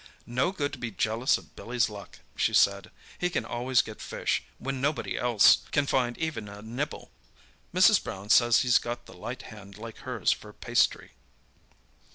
"No good to be jealous of Billy's luck," she said. "He can always get fish, when nobody else can find even a nibble. Mrs. Brown says he's got the light hand like hers for pastry."